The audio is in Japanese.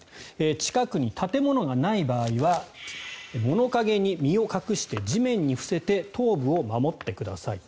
近くに建物がない場合は物陰に身を隠して地面に身を伏せて頭部を守ってください。